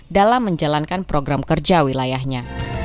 dalam menjalankan program kerja wilayahnya